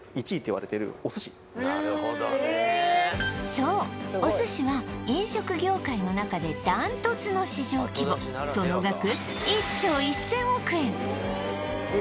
そうお寿司は飲食業界の中でダントツの市場規模その額１兆１０００億円